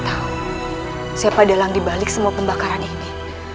dan membalik semua pembakaran ini